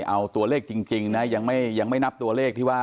เอาตัวเลขจริงนะยังไม่นับตัวเลขที่ว่า